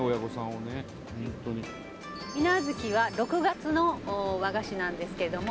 「みな月は６月の和菓子なんですけれども」